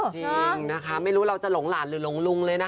จริงนะคะไม่รู้เราจะหลงหลานหรือหลงลุงเลยนะคะ